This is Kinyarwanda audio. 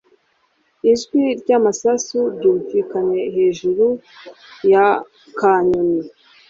Ijwi ry’amasasu ryumvikanye hejuru ya kanyoni.